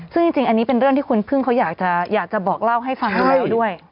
ซึ่งจริงอันนี้เป็นเรื่องที่คุณพึ่งเขาอยากจะบอกเล่าให้ฟังเร็วด้วย